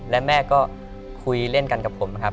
และแม่ก็คุยเล่นกันกับผมนะครับ